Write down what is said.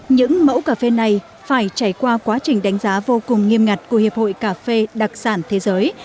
những mẫu cà phê này phải trải qua quá trình đánh giá vô cùng nghiêm ngặt của hiệp hội cà phê đặc sản thế giới